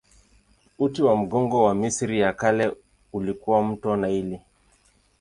Uti wa mgongo wa Misri ya Kale ulikuwa mto Naili.